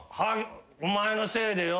お前のせいでよ